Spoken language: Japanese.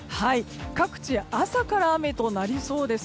各地、朝から雨となりそうです。